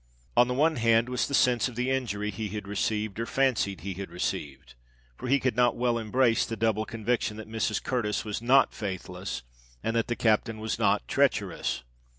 On the one hand was the sense of the injury he had received, or fancied he had received; for he could not well embrace the double conviction that Mrs. Curtis was not faithless, and that the captain was not treacherous.